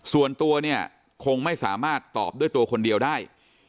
ส่วนตัวเนี่ยคงไม่สามารถตอบด้วยตัวคนเดียวได้